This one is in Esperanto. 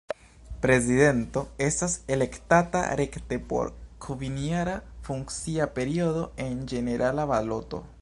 Prezidento estas elektata rekte por kvinjara funkcia periodo en ĝenerala baloto.